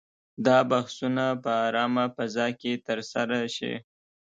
دا بحثونه په آرامه فضا کې ترسره شي.